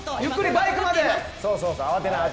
バイクまで。